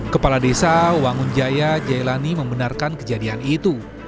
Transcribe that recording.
kepala desa wangunjaya jailani membenarkan kejadian itu